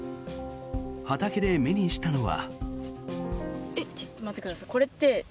畑で目にしたのは。